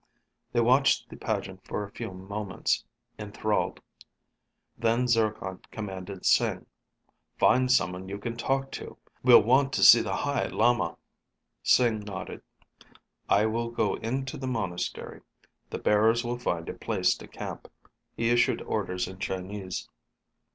They watched the pageant for a few moments, enthralled. Then Zircon commanded Sing. "Find someone you can talk to. We'll want to see the High Lama." Sing nodded. "I will go into the monastery. The bearers will find a place to camp." He issued orders in Chinese.